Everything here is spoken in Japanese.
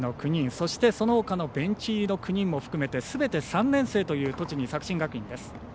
そして、そのほかのベンチ入りの９人も含めてすべて３年生という栃木、作新学院です。